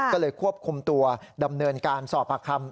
ก็เลยควบคุมตัวดำเนินการสอบปากคำ